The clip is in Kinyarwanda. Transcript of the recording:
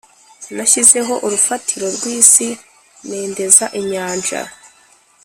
Nashyizeho urufatiro rw’isi nendeza inyanja